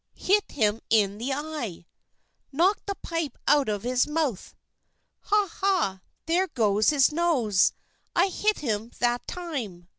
"Hit him in the eye!" "Knock the pipe out of his mouth!" "Ha! ha! there goes his nose! I hit him that time!"